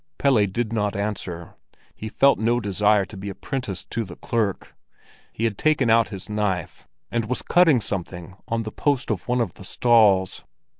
Pelle did not answer; he felt no desire to be apprenticed to the clerk. He had taken out his knife, and was cutting something on a post of one of the stalls.